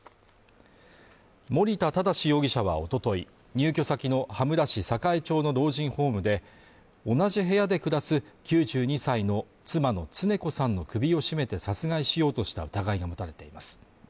森田良容疑者はおととい、入居先の羽村市栄町の老人ホームで同じ部屋で暮らす９２歳の妻の常子さんの首を絞めて殺害しようとした疑いが持たれています